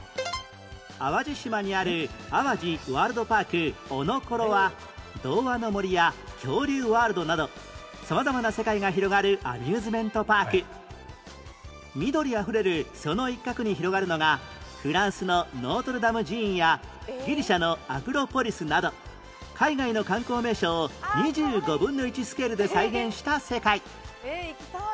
淡路島にある淡路ワールドパーク ＯＮＯＫＯＲＯ は童話の森や恐竜ワールドなど様々な世界が広がるアミューズメントパーク緑あふれるその一角に広がるのがフランスのノートルダム寺院やギリシャのアクロポリスなど海外の観光名所を２５分の１スケールで再現した世界えっ行きたい。